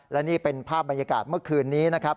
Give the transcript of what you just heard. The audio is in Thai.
และนี่เป็นภาพบรรยากาศเมื่อคืนนี้นะครับ